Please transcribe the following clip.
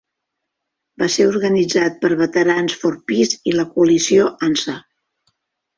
Va ser organitzat per Veterans for Peace i la Coalició Answer.